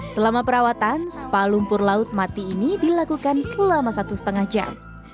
selama perawatan spa lumpur laut mati ini dilakukan selama satu setengah jam